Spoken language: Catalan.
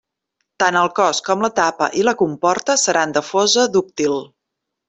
Tant el cos com la tapa i la comporta seran de fosa dúctil.